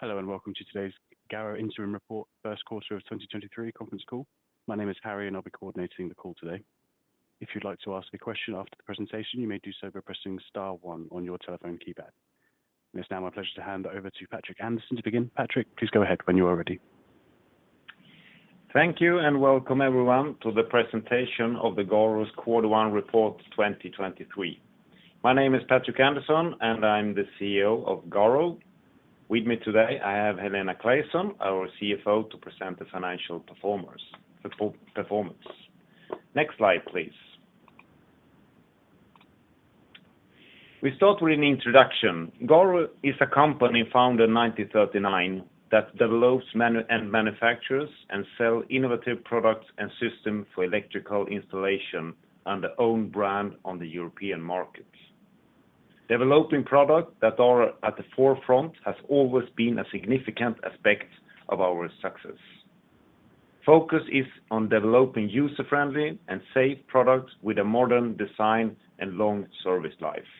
Hello and welcome to today's GARO interim report first quarter of 2023 conference call. My name is Harry, and I'll be coordinating the call today. If you'd like to ask a question after the presentation, you may do so by pressing star one on your telephone keypad. It's now my pleasure to hand over to Patrik Andersson to begin. Patrik, please go ahead when you are ready. Thank you welcome everyone to the presentation of the GARO's quarter one report 2023. My name is Patrik Andersson, and I'm the CEO of GARO. With me today, I have Helena Claesson, our CFO, to present the financial performance. Next slide, please. We start with an introduction. GARO is a company founded in 1939 that develops and manufacturers and sell innovative products and systems for electrical installation under our own brand on the European markets. Developing products that are at the forefront has always been a significant aspect of our success. Focus is on developing user-friendly and safe products with a modern design and long service life.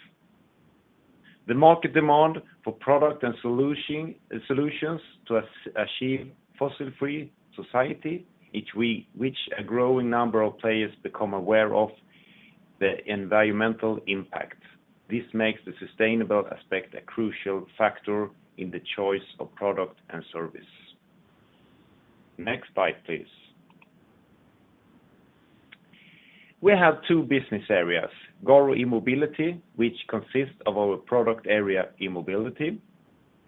The market demand for product and solutions to achieve fossil free society, which a growing number of players become aware of the environmental impact. This makes the sustainable aspect a crucial factor in the choice of product and service. Next slide, please. We have two business areas, GARO E-mobility, which consists of our product area E-mobility,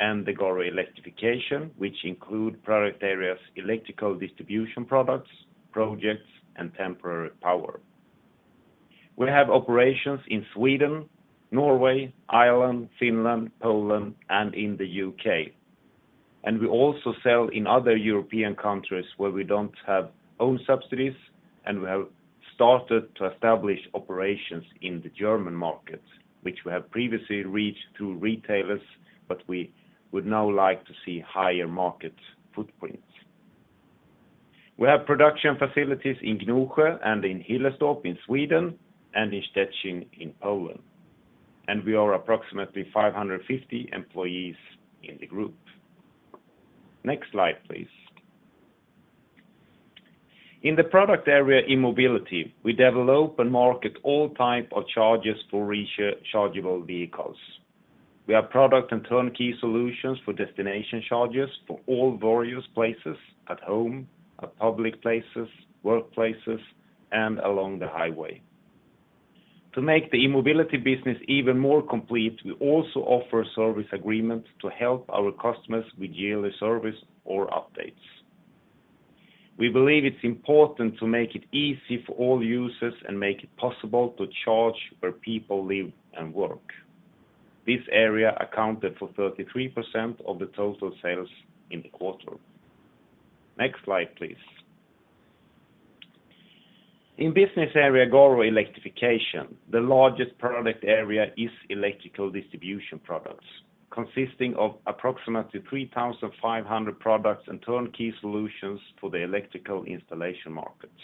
and the GARO Electrification, which include product areas, electrical distribution products, projects, and temporary power. We have operations in Sweden, Norway, Ireland, Finland, Poland, and in the U.K. We also sell in other European countries where we don't have own subsidies. We have started to establish operations in the German market, which we have previously reached through retailers, but we would now like to see higher market footprints. We have production facilities in Gnosjö and in Hillerstorp in Sweden and in Szczecin in Poland. We are approximately 550 employees in the group. Next slide, please. In the product area E-mobility, we develop and market all type of charges for rechargeable vehicles. We have product and turnkey solutions for destination charges for all various places at home, at public places, workplaces, and along the highway. To make the E-mobility business even more complete, we also offer service agreement to help our customers with yearly service or updates. We believe it's important to make it easy for all users and make it possible to charge where people live and work. This area accounted for 33% of the total sales in the quarter. Next slide, please. In business area GARO Electrification, the largest product area is electrical distribution products, consisting of approximately 3,500 products and turnkey solutions for the electrical installation markets.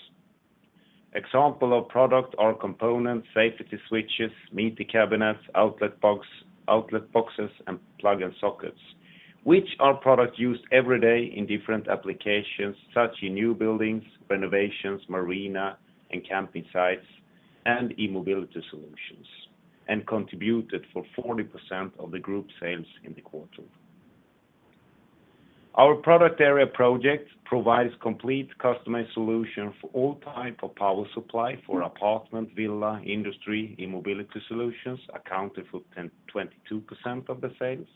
Example of product are components, safety switches, meter cabinets, outlet box, outlet boxes, and plug and sockets, which are products used every day in different applications, such in new buildings, renovations, marina, and camping sites, and E-mobility solutions, contributed for 40% of the group sales in the quarter. Our product area project provides complete customized solution for all type of power supply for apartment, villa, industry, E-mobility solutions, accounted for 22% of the sales.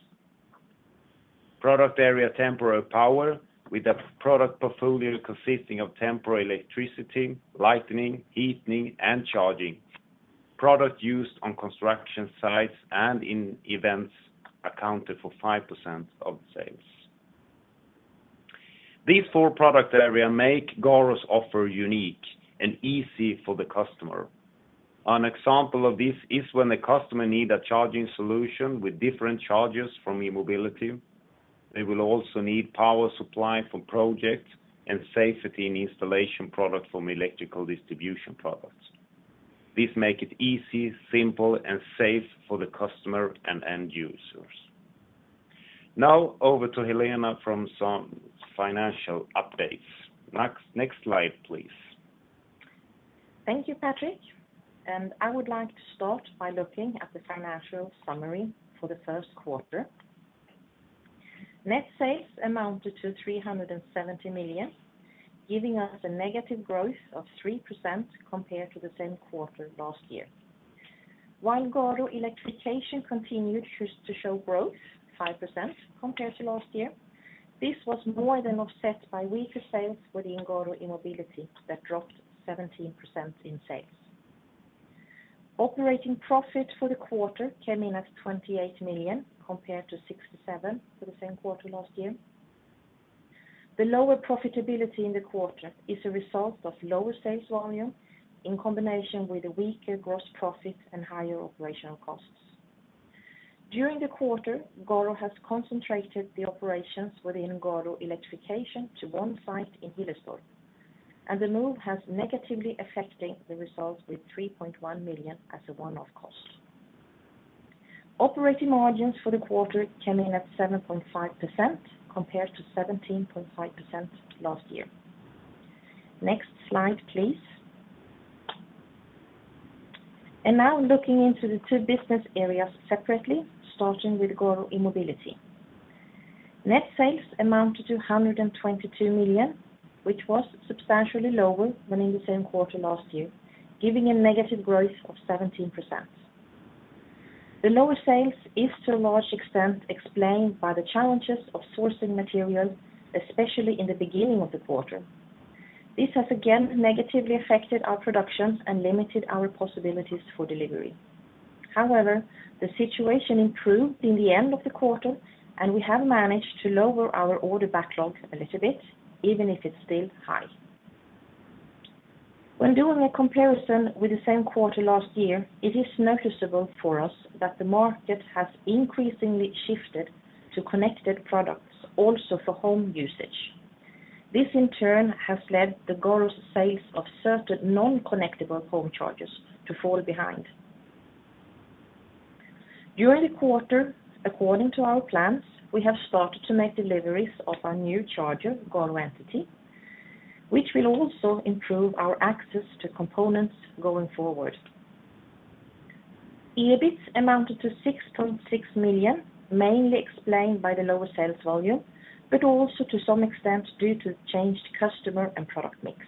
Product area temporary power with a product portfolio consisting of temporary electricity, lighting, heating, and charging. Product used on construction sites and in events accounted for 5% of the sales. These four product area make GARO's offer unique and easy for the customer. An example of this is when the customer need a charging solution with different charges from E-mobility. They will also need power supply from project and safety and installation product from electrical distribution products. This make it easy, simple, and safe for the customer and end users. Now over to Helena from some financial updates. Next slide, please. Thank you, Patrik. I would like to start by looking at the financial summary for the first quarter. Net sales amounted to 370 million, giving us a negative growth of 3% compared to the same quarter last year. While GARO Electrification continued to show growth, 5% compared to last year, this was more than offset by weaker sales within GARO E-mobility that dropped 17% in sales. Operating profit for the quarter came in at 28 million compared to 67 million for the same quarter last year. The lower profitability in the quarter is a result of lower sales volume in combination with a weaker gross profit and higher operational costs. During the quarter, GARO has concentrated the operations within GARO Electrification to one site in Hillerstorp. The move has negatively affecting the results with 3.1 million as a one off cost. Operating margins for the quarter came in at 7.5% compared to 17.5% last year. Next slide, please. Now looking into the two business areas separately, starting with GARO E-mobility. Net sales amounted to 122 million, which was substantially lower than in the same quarter last year, giving a negative growth of 17%. The lower sales is to a large extent explained by the challenges of sourcing material, especially in the beginning of the quarter. This has again negatively affected our productions and limited our possibilities for delivery. However, the situation improved in the end of the quarter and we have managed to lower our order backlog a little bit, even if it's still high. When doing a comparison with the same quarter last year, it is noticeable for us that the market has increasingly shifted to connected products also for home usage. This in turn has led the GARO sales of certain non-connectable home chargers to fall behind. During the quarter, according to our plans, we have started to make deliveries of our new charger, GARO Entity, which will also improve our access to components going forward. EBIT amounted to 6.6 million, mainly explained by the lower sales volume, but also to some extent due to changed customer and product mix.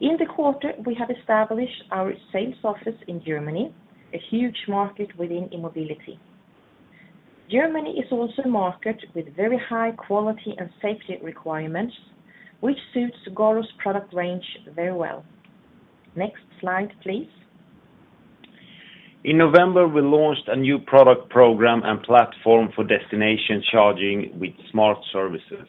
In the quarter, we have established our sales office in Germany, a huge market within E-mobility. Germany is also a market with very high quality and safety requirements, which suits Garo's product range very well. Next slide, please. In November, we launched a new product program and platform for destination charging with smart services.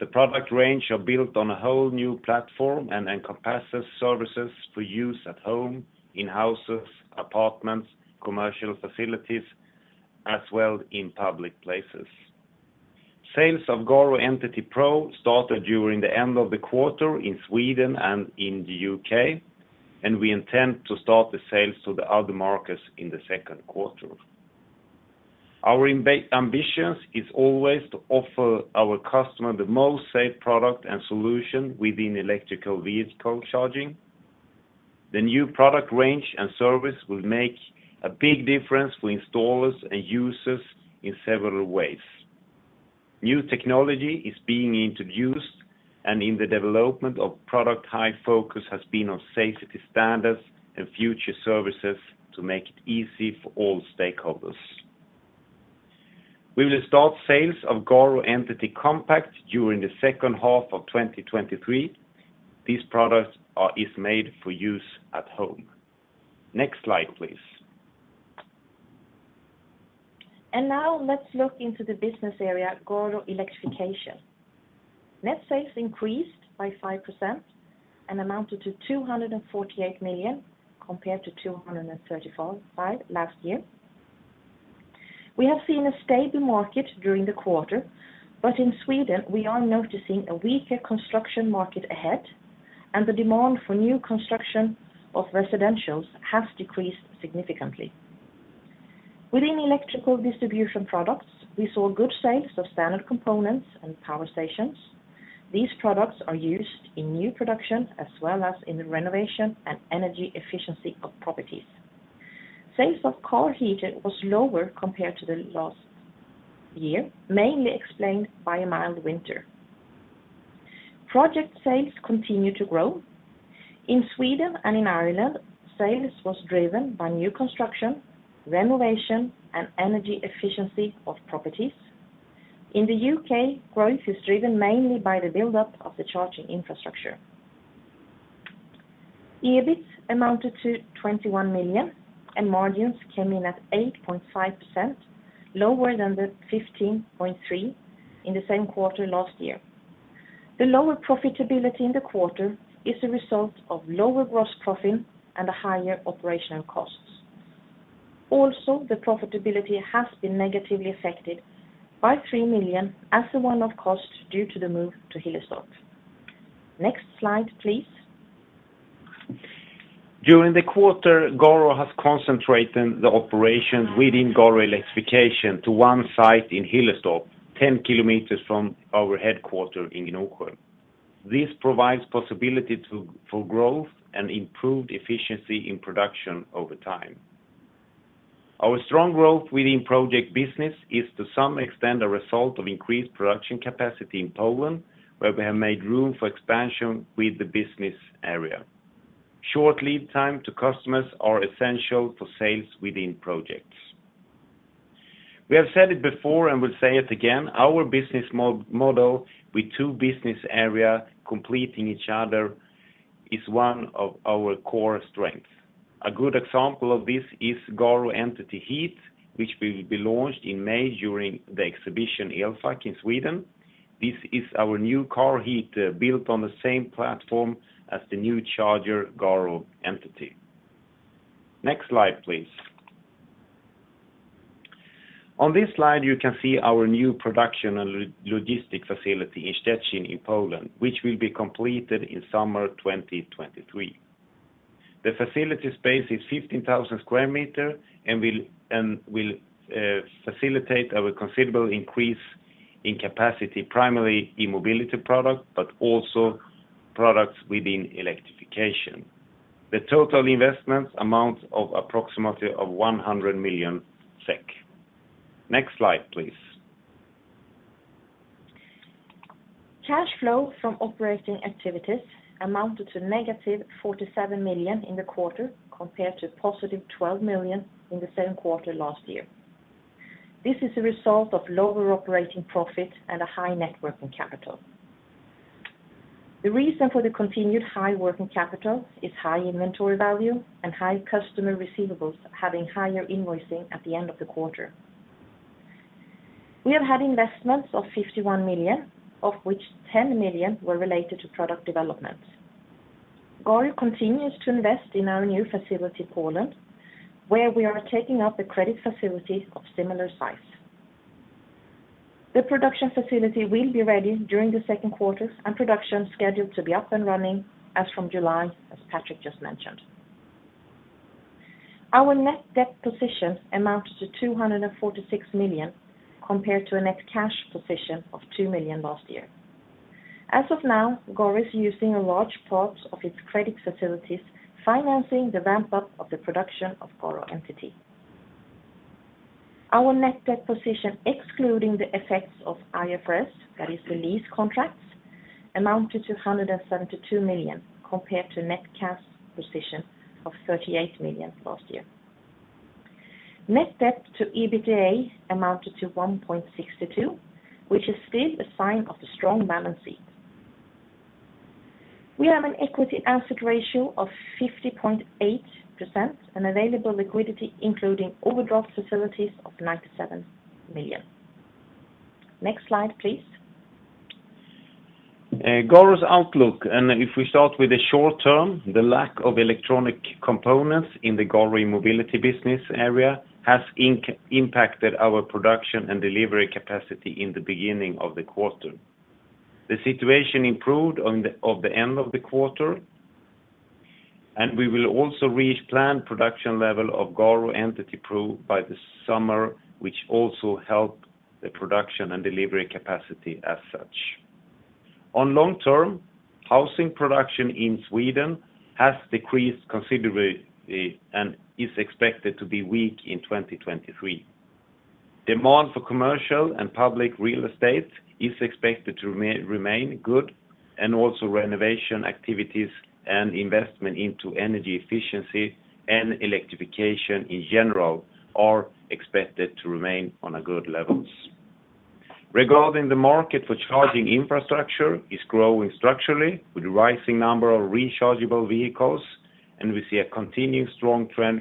The product range are built on a whole new platform and encompasses services for use at home, in houses, apartments, commercial facilities, as well in public places. Sales of GARO Entity Pro started during the end of the quarter in Sweden and in the U.K. We intend to start the sales to the other markets in the second quarter. Our ambitions is always to offer our customer the most safe product and solution within electrical vehicle charging. The new product range and service will make a big difference to installers and users in several ways. New technology is being introduced. In the development of product high focus has been on safety standards and future services to make it easy for all stakeholders. We will start sales of GARO Entity Compact during the second half of 2023. This product is made for use at home. Next slide, please. Now let's look into the business area, GARO Electrification. Net sales increased by 5% and amounted to 248 million compared to 235 million last year. We have seen a stable market during the quarter. In Sweden, we are noticing a weaker construction market ahead, and the demand for new construction of residentials has decreased significantly. Within electrical distribution products, we saw good sales of standard components and power stations. These products are used in new production as well as in the renovation and energy efficiency of properties. Sales of car heater was lower compared to the last year, mainly explained by a mild winter. Project sales continue to grow. In Sweden and in Ireland, sales was driven by new construction, renovation, and energy efficiency of properties. In the U.K., growth is driven mainly by the build up of the charging infrastructure. EBIT amounted to 21 million. Margins came in at 8.5%, lower than the 15.3% in the same quarter last year. The lower profitability in the quarter is a result of lower gross profit and a higher operational costs. The profitability has been negatively affected by 3 million as a one off cost due to the move to Hillerstorp. Next slide, please. During the quarter, GARO has concentrated the operations within Garo Electrification to one site in Hillerstorp, 10 km from our headquarter in Norrköping. This provides possibility for growth and improved efficiency in production over time. Our strong growth within project business is to some extent a result of increased production capacity in Poland, where we have made room for expansion with the business area. Short lead time to customers are essential for sales within projects. We have said it before and will say it again, our business model with two business area completing each other is one of our core strengths. A good example of this is GARO Entity Heat, which will be launched in May during the exhibition Elfack in Sweden. This is our new car heat built on the same platform as the new charger, GARO Entity. Next slide, please. On this slide, you can see our new production and logistic facility in Szczecin in Poland, which will be completed in summer 2023. The facility space is 15,000 square meter and will facilitate our considerable increase in capacity, primarily in mobility product, but also products within electrification. The total investments amount of approximately 100 million SEK. Next slide, please. Cash flow from operating activities amounted to -47 million in the quarter compared to +12 million in the same quarter last year. This is a result of lower operating profit and a high net working capital. The reason for the continued high working capital is high inventory value and high customer receivables having higher invoicing at the end of the quarter. We have had investments of 51 million, of which 10 million were related to product development. GARO continues to invest in our new facility, Poland, where we are taking up a credit facility of similar size. The production facility will be ready during the second quarter and production scheduled to be up and running as from July, as Patrik just mentioned. Our net debt position amounted to 246 million compared to a net cash position of 2 million last year. As of now, GARO is using a large part of its credit facilities, financing the ramp up of the production of GARO Entity. Our net debt position, excluding the effects of IFRS, that is the lease contracts, amounted to 172 million compared to net cash position of 38 million last year. Net debt to EBITDA amounted to 1.62%, which is still a sign of a strong balance sheet. We have an equity asset ratio of 50.8% and available liquidity, including overdraft facilities, of 97 million. Next slide, please. GARO's outlook, if we start with the short term, the lack of electronic components in the GARO E-mobility business area has impacted our production and delivery capacity in the beginning of the quarter. The situation improved on the end of the quarter. We will also reach planned production level of GARO Entity Pro by the summer, which also help the production and delivery capacity as such. On long term, housing production in Sweden has decreased considerably and is expected to be weak in 2023. Demand for commercial and public real estate is expected to remain good, and also renovation activities and investment into energy efficiency and electrification in general are expected to remain on a good levels. Regarding the market for charging infrastructure is growing structurally with rising number of rechargeable vehicles, and we see a continuing strong trend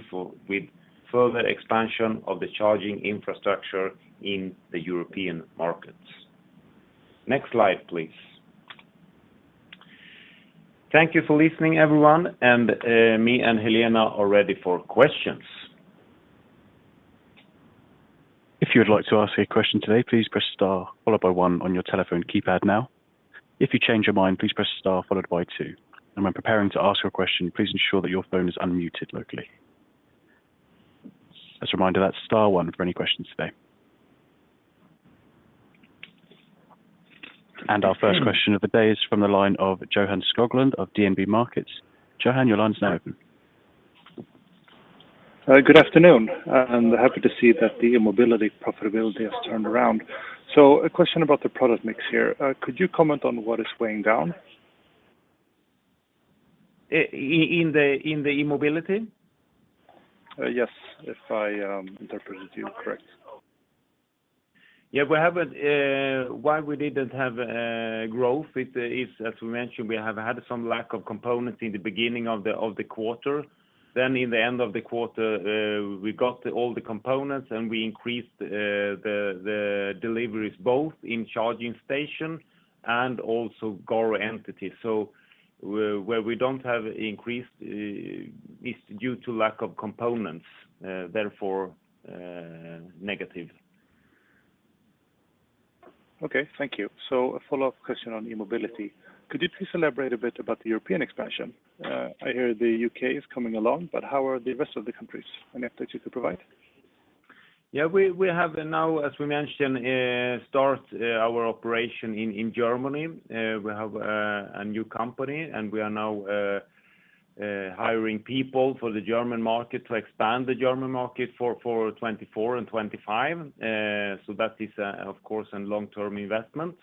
with further expansion of the charging infrastructure in the European markets. Next slide, please. Thank you for listening, everyone, and me and Helena are ready for questions. If you would like to ask a question today, please press star followed by one on your telephone keypad now. If you change your mind, please press star followed by two. When preparing to ask your question, please ensure that your phone is unmuted locally. As a reminder, that's star one for any questions today. Our first question of the day is from the line of Johan Skoglund of DNB Markets. Johan, your line is now open. Good afternoon, happy to see that the mobility profitability has turned around. A question about the product mix here. Could you comment on what is weighing down? In the E-mobility? Yes, if I, interpreted you correct. We have why we didn't have growth it is, as we mentioned, we have had some lack of components in the beginning of the quarter. In the end of the quarter, we got all the components, and we increased the deliveries both in charging station and also GARO Entity. Where we don't have increased is due to lack of components, therefore, negative. Okay, thank you. A follow-up question on E-mobility. Could you please elaborate a bit about the European expansion? I hear the U.K. is coming along. How are the rest of the countries? Any updates you could provide? Yeah, we have now, as we mentioned, start our operation in Germany. We have a new company, and we are now hiring people for the German market to expand the German market for 2024 and 2025. That is, of course, a long term investment.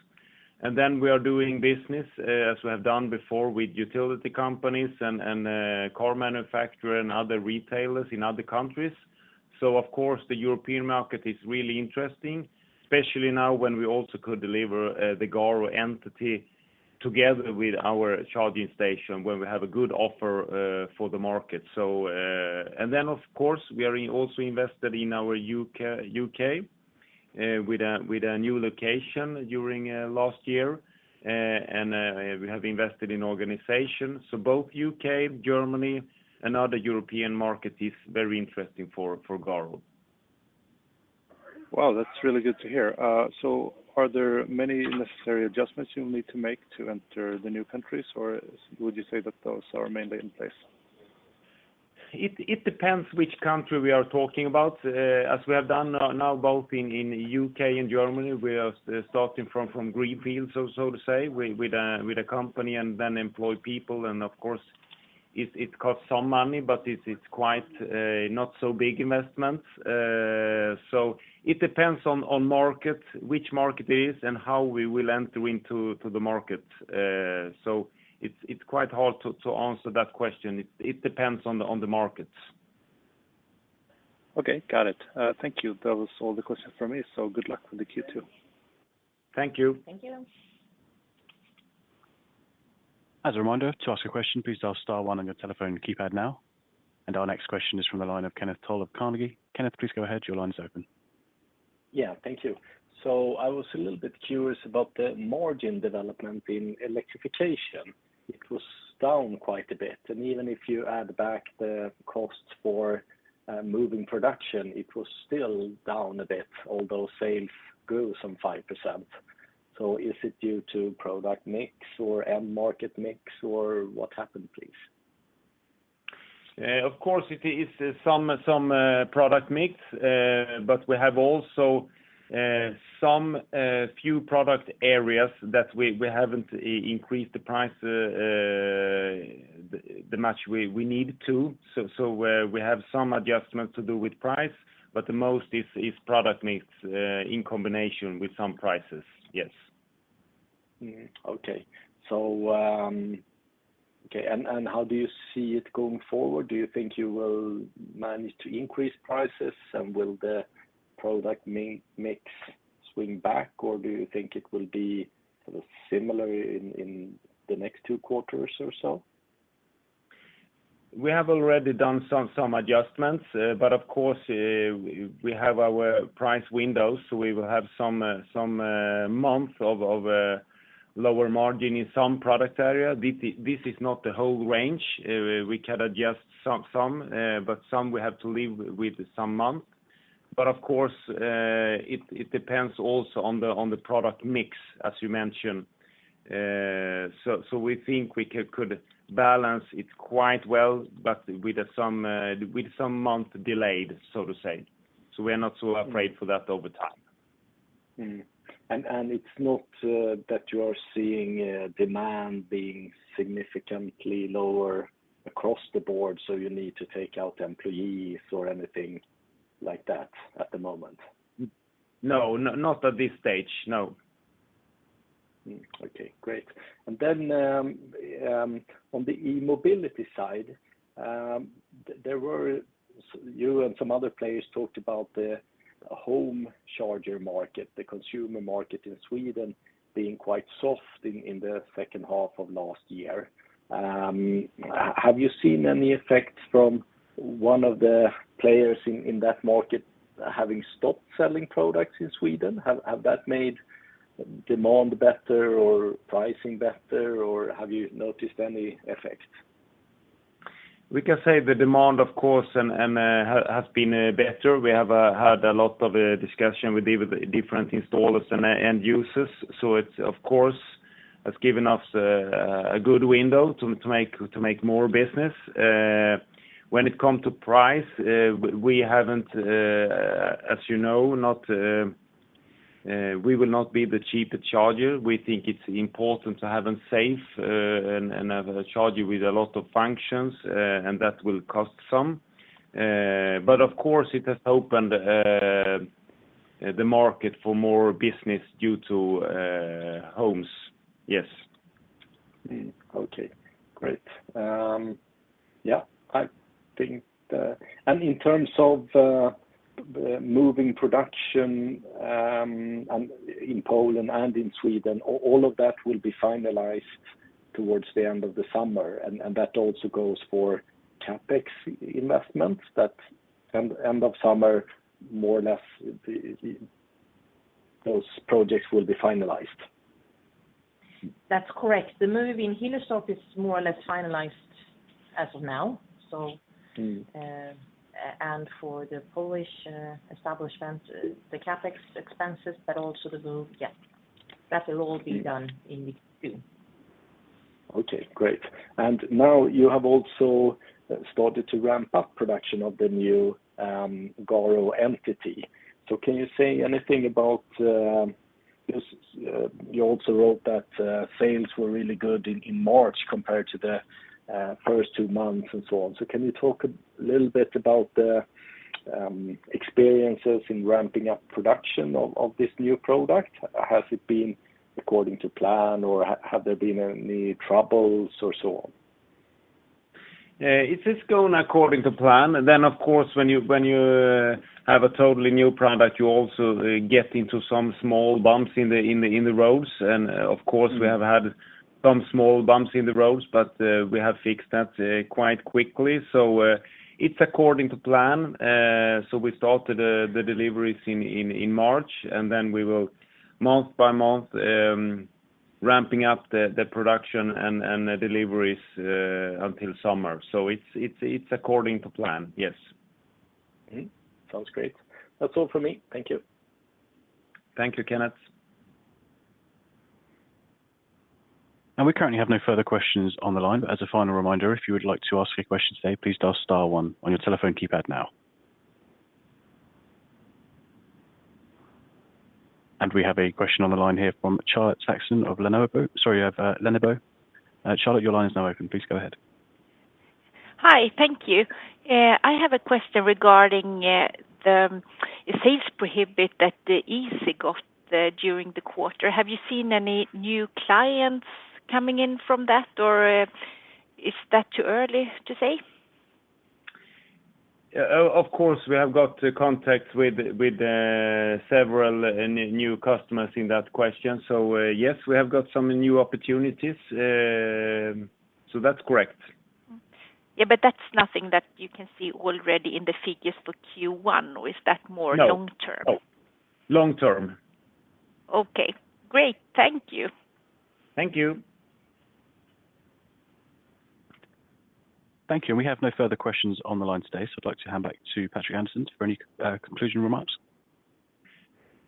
We are doing business as we have done before with utility companies and car manufacturer and other retailers in other countries. Of course, the European market is really interesting, especially now when we also could deliver the GARO Entity together with our charging station, when we have a good offer for the market. We are also invested in our U.K., with a new location during last year. We have invested in organizations. Both U.K., Germany and other European market is very interesting for GARO. That's really good to hear. Are there many necessary adjustments you need to make to enter the new countries, or would you say that those are mainly in place? It depends which country we are talking about. As we have done now both in U.K., and Germany, we are starting from green fields or so to say, with a company and then employ people. Of course, it costs some money, but it's quite not so big investments. So it depends on market, which market it is, and how we will enter into the market. So it's quite hard to answer that question. It depends on the markets. Okay, got it. Thank you. That was all the questions for me. Good luck with the Q2. Thank you. Thank you. As a reminder to ask a question, please dial star one on your telephone keypad now. Our next question is from the line of Kenneth Toll of Carnegie. Kenneth, please go ahead. Your line is open. Yeah, thank you. I was a little bit curious about the margin development in Electrification. It was down quite a bit, and even if you add back the costs for moving production, it was still down a bit, although sales grew some 5%. Is it due to product mix or end market mix or what happened, please? Of course it is some product mix. We have also some few product areas that we haven't increased the price the much we need to. We have some adjustments to do with price, but the most is product mix in combination with some prices. Yes. Okay. How do you see it going forward? Do you think you will manage to increase prices? Will the product mix swing back, or do you think it will be sort of similar in the next two quarters or so? We have already done some adjustments. Of course, we have our price windows, so we will have some, month of lower margin in some product area. This is not the whole range. We can adjust some, but some we have to live with some month. Of course, it depends also on the product mix, as you mentioned. We think we could balance it quite well, but with some month delayed, so to say. We are not so afraid for that over time. It's not that you are seeing demand being significantly lower across the board, so you need to take out employees or anything like that at the moment? No, not at this stage, no. Okay, great. On the E-mobility side, you and some other players talked about the home charger market, the consumer market in Sweden being quite soft in the second half of last year. Have you seen any effects from one of the players in that market having stopped selling products in Sweden? Have that made demand better or pricing better, or have you noticed any effects? We can say the demand, of course, has been better. We have had a lot of discussion with different installers and end users, so it of course has given us a good window to make more business. When it come to price, we haven't, as you know, not, we will not be the cheapest charger. We think it's important to have them safe, and have a charger with a lot of functions, and that will cost some. Of course, it has opened the market for more business due to homes. Yes. Okay, great. Yeah, I think, in terms of moving production, and in Poland and in Sweden, all of that will be finalized towards the end of the summer. That also goes for CapEx investments that end of summer, more or less, those projects will be finalized. That's correct. The move in Hillerstorp is more or less finalized as of now. For the Polish establishment, the CapEx expenses, but also the move, that will all be done in June. Okay, great. Now you have also started to ramp up production of the new, GARO Entity. Can you say anything about, you also wrote that, sales were really good in March compared to the, first two months and so on. Can you talk a little bit about the, experiences in ramping up production of this new product? Has it been according to plan, or have there been any troubles or so on? It is going according to plan. Of course, when you have a totally new product, you also get into some small bumps in the roads. Of course, we have had some small bumps in the roads, but we have fixed that quite quickly. It's according to plan. We started the deliveries in March, and then we will month by month, ramping up the production and deliveries until summer. It's according to plan, yes. Sounds great. That's all for me. Thank you. Thank you, Kenneth. We currently have no further questions on the line. As a final reminder, if you would like to ask a question today, please dial star one on your telephone keypad now. We have a question on the line here from Charlotte West of Lenovo. Sorry, you have, Lenovo. Charlotte, your line is now open. Please go ahead. Hi, thank you. I have a question regarding the sales prohibit that the Easee got during the quarter. Have you seen any new clients coming in from that, or, is that too early to say? Of course, we have got contacts with several new customers in that question. Yes, we have got some new opportunities. That's correct. Yeah, that's nothing that you can see already in the figures for Q1, or is that more long-term? No. Long-term. Okay, great. Thank you. Thank you. Thank you. We have no further questions on the line today. I'd like to hand back to Patrik Andersson for any conclusion remarks.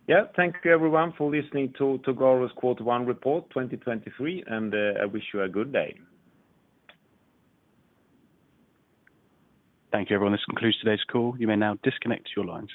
Yeah. Thank you everyone for listening to GARO's Quarter One report 2023, and I wish you a good day. Thank you, everyone. This concludes today's call. You may now disconnect your lines.